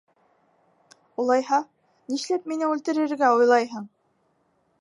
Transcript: Улайһа, нишләп мине үлтерергә уйлайһың?